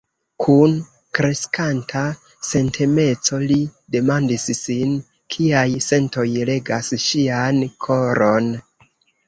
Kun kreskanta sentemeco li demandis sin, kiaj sentoj regas ŝian koron.